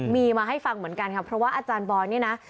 มีมาให้ฟังเหมือนกันค่ะเพราะว่าอาจารย์บอยเนี่ยนะ